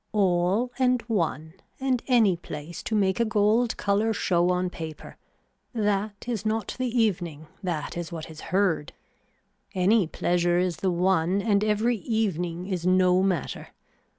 All and one and any place to make a gold color show on paper, that is not the evening, that is what is heard. Any pleasure is the one and every evening is no matter.